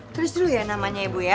terus dulu ya namanya ibu ya